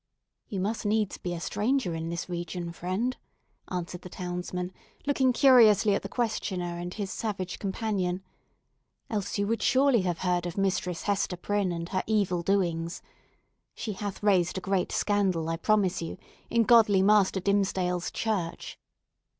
"You must needs be a stranger in this region, friend," answered the townsman, looking curiously at the questioner and his savage companion, "else you would surely have heard of Mistress Hester Prynne and her evil doings. She hath raised a great scandal, I promise you, in godly Master Dimmesdale's church."